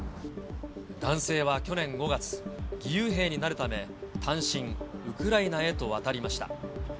男性は去年５月、義勇兵になるため、単身ウクライナへと渡りました。